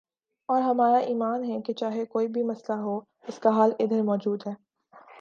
اور ہمارا ایمان ہے کہ چاہے کوئی بھی مسئلہ ہو اسکا حل ادھر موجود ہے